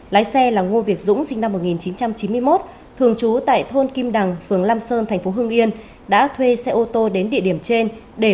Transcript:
lái xe là ngô việt dũng sinh năm một nghìn chín trăm chín mươi một thường trú tại thôn kim đằng phường lam sơn thành phố hưng yên đã thuê xe ô tô đến địa điểm trên